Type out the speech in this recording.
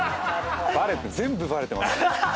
バレて全部バレてます。